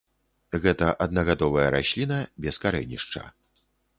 Гэта аднагадовая расліна без карэнішча.